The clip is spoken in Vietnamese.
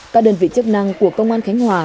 các đơn vị chức năng của công an khánh hòa